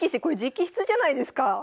これ直筆じゃないですか！